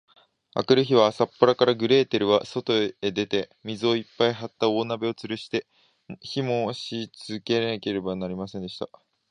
あくる日は、朝っぱらから、グレーテルはそとへ出て、水をいっぱいはった大鍋をつるして、火をもしつけなければなりませんでした。